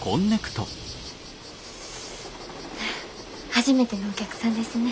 初めてのお客さんですね。